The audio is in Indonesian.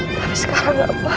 tapi sekarang gak apa